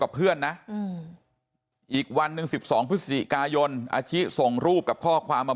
เพื่อนนะอีกวันหนึ่ง๑๒พฤศจิกายนอาชิส่งรูปกับข้อความมา